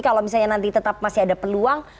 kalau misalnya nanti tetap masih ada peluang